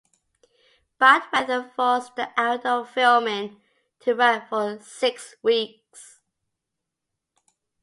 Bad weather forced the outdoor filming to run for six weeks.